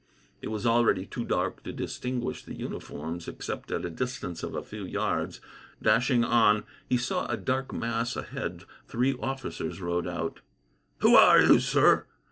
It was already too dark to distinguish the uniforms, except at a distance of a few yards. Dashing on, he saw a dark mass ahead three officers rode out. "Who are you, sir?"